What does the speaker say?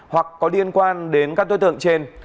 hoặc có liên quan đến các đối tượng trên